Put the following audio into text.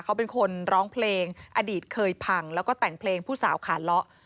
เขาเป็นคนร้องเพลงอดีตเคยพังแล้วก็แต่งเพลงผู้สาวขาเลาะ